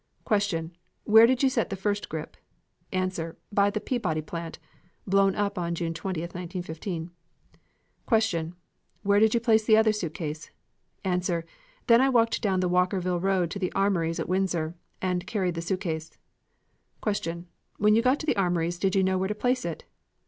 Q. Where did you set the first grip? A. By the Peabody plant (blown up on June 20,1915). Q. Where did you put the other suitcase? A. Then I walked down the Walkerville road to the Armories at Windsor, and carried the suitcase. Q. When you got to the Armories did you know where to place it?